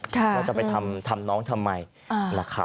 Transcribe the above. ว่าจะไปทำน้องทำไมนะครับ